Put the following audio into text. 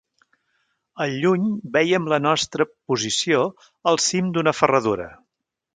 Al lluny vèiem la nostra «posició» al cim d'una ferradura